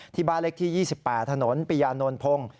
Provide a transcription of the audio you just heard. ที่บ้านเล็กที่๒๘ถนนปิยานนพงศ์